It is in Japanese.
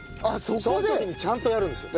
その時にちゃんとやるんですよ。